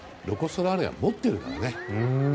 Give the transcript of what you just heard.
ロコ・ソラーレは持ってるからね。